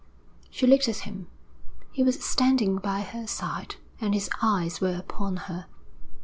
She looked at him. He was standing by her side, and his eyes were upon her.